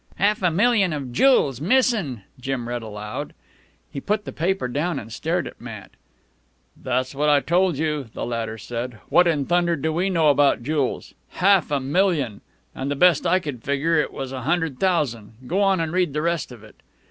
"Half a million of jewels missin'," Jim read aloud. He put the paper down and stared at Matt. "That's what I told you," the latter said. "What in thunder do we know about jools? Half a million! an' the best I could figger it was a hundred thousan'. Go on an' read the rest of it."